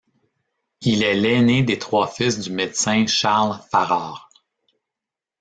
Il est l'ainé des trois fils du médecin Charles Farrar.